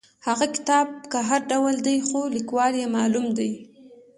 هغه کتاب که هر ډول دی خو لیکوال یې معلوم دی.